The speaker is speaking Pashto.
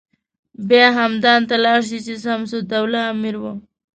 بیا همدان ته لاړ چې شمس الدوله امیر و.